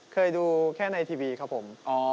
เคยดูแค่ในทีวีครับผม